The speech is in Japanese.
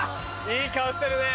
いい顔してるね。